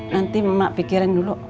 nanti mak pikirin dulu